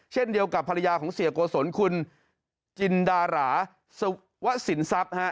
เช่นเดียวกับภรรยาของเสียโกศลคุณจินดาราสวะสินทรัพย์ฮะ